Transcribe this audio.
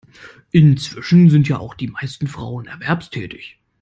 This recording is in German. Inzwischen sind ja auch die meisten Frauen erwerbstätig.